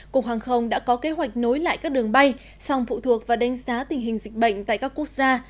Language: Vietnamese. cục hàng không đã có kế hoạch nối lại các đường bay song phụ thuộc và đánh giá tình hình dịch bệnh tại các quốc gia